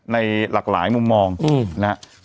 ในหลากหลายมุมมองนะครับ